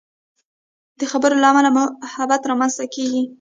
د خبرو له امله محبت رامنځته کېږي.